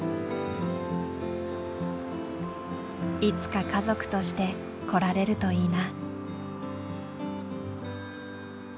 いつか家族として来られるといいな。